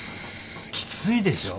きついでしょ。